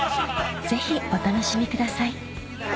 ぜひお楽しみください